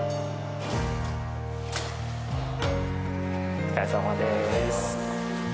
お疲れさまです。